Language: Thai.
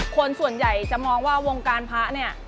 คนส่วนใหญ่จะมองว่าวงการพระเนี่ย